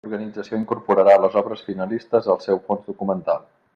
L'organització incorporarà les obres finalistes al seu fons documental.